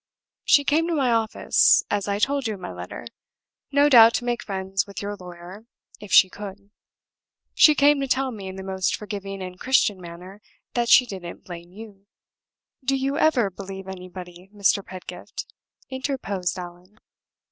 She came to my office (as I told you in my letter), no doubt to make friends with your lawyer, if she could; she came to tell me, in the most forgiving and Christian manner, that she didn't blame you." "Do you ever believe in anybody, Mr. Pedgift?" interposed Allan.